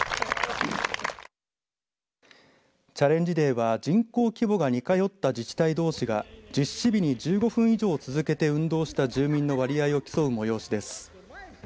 チャレンジデーは人口規模が似通った自治体どうしが実施日に１５分以上続けて運動した住民の割合を競う催しです。